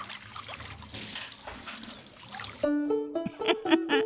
フフフフ。